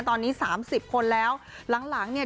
ตอนนี้๓๐คนแล้วหลังเนี่ย